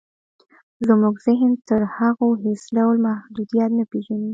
زموږ ذهن تر هغو هېڅ ډول محدودیت نه پېژني